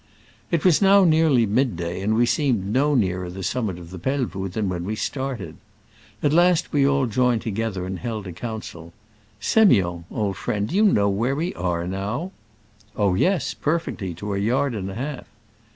It was now nearly mid day, and we seemed no nearer the summit of the Pelvoux than when we started. At last we all joined together and held a coun cil. " Semiond, old friend, do you know where we are now •*"Oh yes, perfect ly, to a yard and a half."